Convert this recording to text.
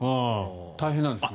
大変なんですね。